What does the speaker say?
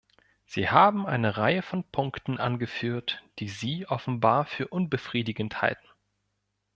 Sie haben eine Reihe von Punkten angeführt, die Sie offenbar für unbefriedigend halten.